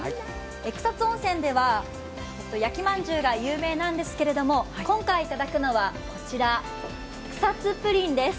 草津温泉では焼きまんじゅうが有名なんですけれども、今回いただくのはこちら、草津プリンです。